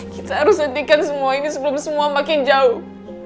kita harus hentikan semua ini sebelum semua makin jauh